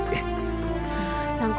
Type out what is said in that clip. kau bisa melindungi aku